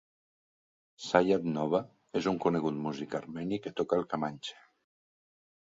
Sayat-Nova és un conegut músic armeni que toca el kamanche.